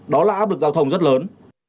đó là áp lực giao thông rất lớn